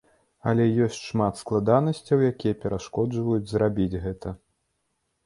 Але ёсць шмат складанасцяў, якія перашкаджаюць зрабіць гэта.